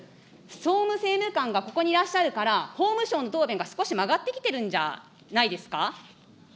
総務政務官がここにいらっしゃるから、法務省の答弁が少し曲がってきてるんじゃないですか。